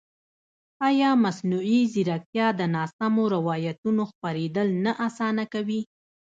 ایا مصنوعي ځیرکتیا د ناسمو روایتونو خپرېدل نه اسانه کوي؟